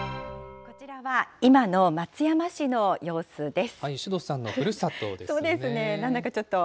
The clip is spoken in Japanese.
こちらは今の松山市の様子です。